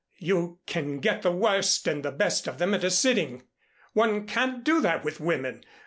You can get the worst and the best of them at a sitting. One can't do that with women.